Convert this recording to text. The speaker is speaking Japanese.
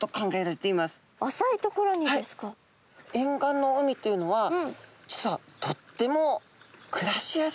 沿岸の海というのは実はとっても暮らしやすいんですね。